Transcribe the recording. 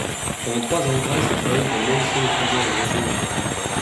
Pendant trois ans, Reis a travaillé pour Mauricio de Sousa au Brésil.